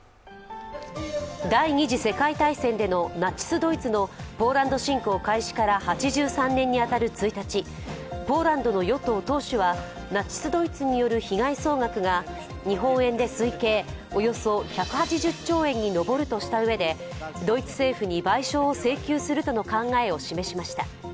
第二次世界大戦でのナチス・ドイツのポーランド侵攻開始から８３年に当たる１日、ポーランドの与党党首はナチス・ドイツによる被害総額が日本円で推計およそ１８０兆円に上るとしたうえで、ドイツ政府に賠償を請求するとの考えを示しました。